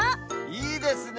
いいですね